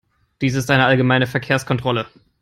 Dies ist eine allgemeine Verkehrskontrolle.